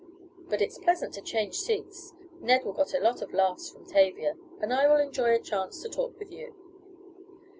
But it's pleasant to change seats. Ned will get a lot of laughs from Tavia, and I will enjoy a chance to talk with you."